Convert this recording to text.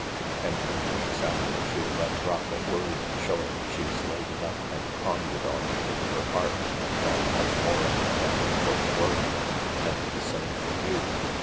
And then weeks after she'll let drop a word showing she's laid it up and pondered on it in her heart and thought much more of it than it was worth. And the same with you.